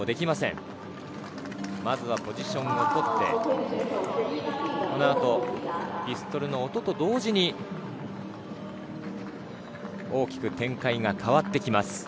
まずはポジションを取って、この後、ピストルの音と同時に大きく展開が変わってきます。